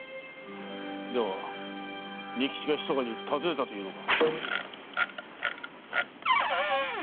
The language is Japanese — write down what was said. では仁吉が密かに訪ねたというのか？